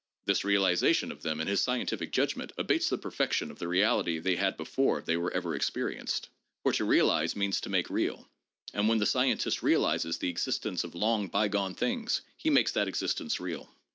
This realization of them in his scientific judgment abates the perfection of the reality they had before they were ever experienced. For to realize means to make real, and when the scientist realizes the existence of long bygone things, he makes that existence real.